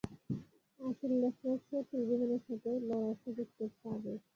আসলে, লেফট্যানেন্ট, শত্রুর বিমানের সাথে লড়ার সুযোগ তো পাবে।